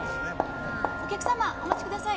お客様、お待ちください。